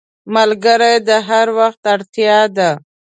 ملګری د هر وخت اړتیا ده